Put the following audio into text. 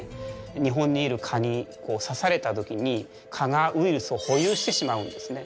日本にいる蚊に刺された時に蚊がウイルスを保有してしまうんですね。